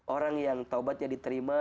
orang yang tobatnya diterima